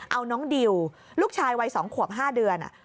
เอาน้องดิวลูกชายวัย๒ขวบ๕เดือน